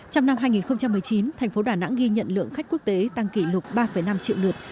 trong năm hai nghìn một mươi chín thành phố đà nẵng ghi nhận lượng khách quốc tế tăng kỷ lục ba năm triệu lượt